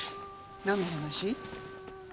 何の話？